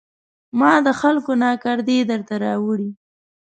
ما د خلکو ناکردې درته راوړي